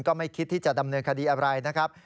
ก็ไม่คิดที่จะดำเนินคดีอะไรนะครับ